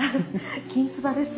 きんつばです。